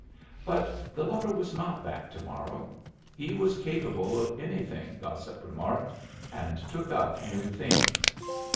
But the lover was not back to morrow. He was capable of anything, gossip remarked, and took up new themes.